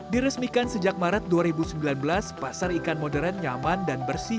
diresmikan sejak maret dua ribu sembilan belas pasar ikan modern nyaman dan bersih